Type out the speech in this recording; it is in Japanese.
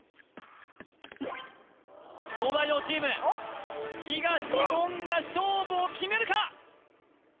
東大王チーム東言が勝負を決めるか？